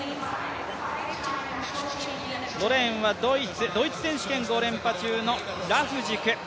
５レーンはドイツ選手権５連覇中のラフジク。